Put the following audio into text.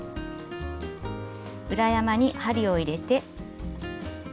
裏山に針を入れて。